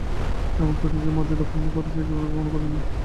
এমন করে নিজের মর্যাদা ক্ষুণ্ন সে জীবনে কখনো করে নি।